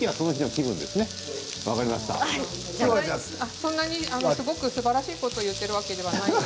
そんなにすごくすばらしいことを言ってるわけじゃないので。